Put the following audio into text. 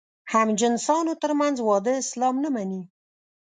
همجنسانو تر منځ واده اسلام نه مني.